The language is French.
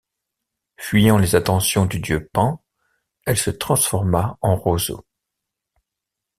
Fuyant les attentions du dieu Pan, elle se transforma en roseaux.